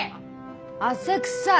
汗臭い。